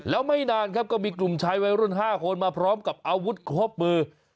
แล้วไม่นานครับก็มีกลุ่มชายวัยรุ่น๕คนมาพร้อมกับอาวุธครบมือ